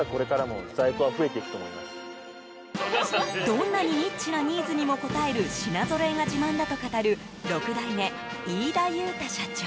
どんなにニッチなニーズにも応える品ぞろえが自慢だと語る６代目、飯田結太社長。